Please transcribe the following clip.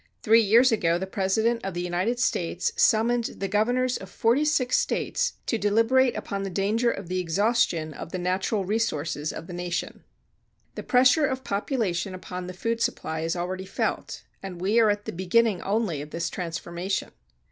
Three years ago the President of the United States summoned the governors of forty six states to deliberate upon the danger of the exhaustion of the natural resources of the nation.[279:1] The pressure of population upon the food supply is already felt and we are at the beginning only of this transformation.